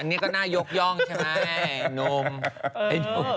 อันนี้ก็น่ายกย่องใช่ไหมนม